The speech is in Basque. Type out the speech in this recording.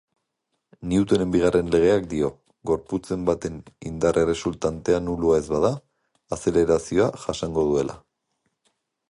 Newtonen bigarren legeak dio, gorputzen baten indar erresultantea nulua ez bada, azelerazioa jasango duela.